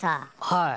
はい。